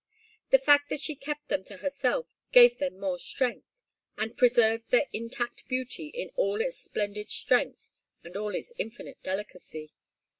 The fact that she kept them to herself gave them more strength, and preserved their intact beauty in all its splendid strength and all its infinite delicacy.